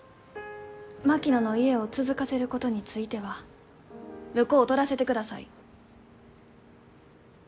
槙野の家を続かせることについては婿を取らせてください。